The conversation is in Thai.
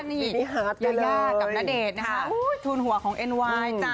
นี่ยายากับณเดชน์ทุนหัวของเอ็นไวน์